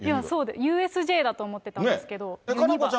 そうです、ＵＳＪだと思ってたんですけど。